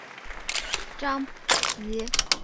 有子张缙。